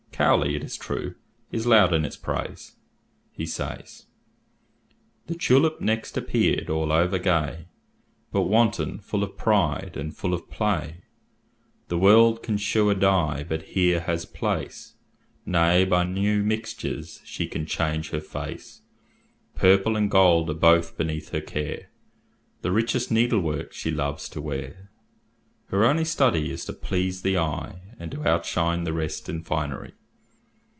Cowley, it is true, is loud in its praise. He says "The tulip next appeared, all over gay, But wanton, full of pride, and full of play; The world can't shew a dye but here has place; Nay, by new mixtures, she can change her face; Purple and gold are both beneath her care, The richest needlework she loves to wear; Her only study is to please the eye, And to outshine the rest in finery."